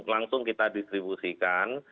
langsung kita distribusikan